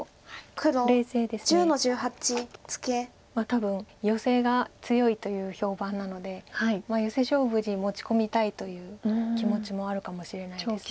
多分ヨセが強いという評判なのでヨセ勝負に持ち込みたいという気持ちもあるかもしれないです。